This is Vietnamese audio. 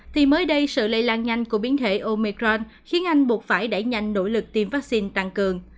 thì mới đây sự lây lan nhanh của biến thể omicron khiến anh buộc phải đẩy nhanh nỗ lực tiêm vaccine tăng cường